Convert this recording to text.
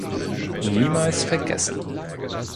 Niemals vergessen.